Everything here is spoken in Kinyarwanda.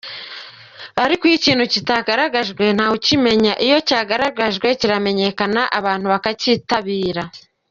Ariko iyo ikintu kitagaragajwe ntawe ukimenya, iyo cyagaragajwe kiramenyekana abantu bakacyitabira.